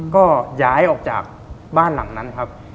ก็ย้ายออกจากบ้านหลังนั้นครับ